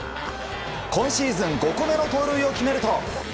今シーズン５個目の盗塁を決めると。